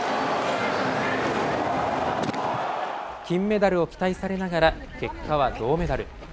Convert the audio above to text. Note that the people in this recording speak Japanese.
金メダルを期待されながら、結果は銅メダル。